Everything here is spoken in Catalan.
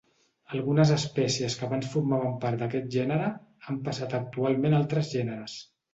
Algunes espècies que abans formaven part d'aquest gènere han passat actualment a altres gèneres.